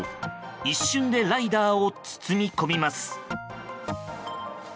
一瞬でライダーを包み込みます。